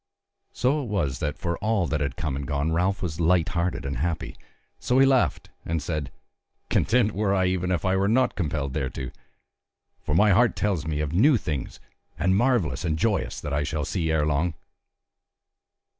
So it was that for all that had come and gone Ralph was light hearted and happy; so he laughed and said: "Content were I, even if I were not compelled thereto. For my heart tells me of new things, and marvellous and joyous that I shall see ere long."